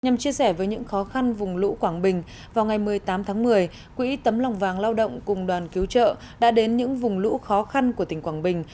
nhằm chia sẻ với những khó khăn vùng lũ quảng bình vào ngày một mươi tám tháng một mươi quỹ tấm lòng vàng lao động cùng đoàn cứu trợ đã đến những vùng lũ khó khăn của tỉnh quảng bình